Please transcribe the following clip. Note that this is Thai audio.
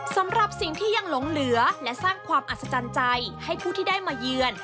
สำหรับสิ่งที่ยังหลงเหลือและสร้างความอัศจรรย์ใจให้ผู้ที่ได้มาเยือน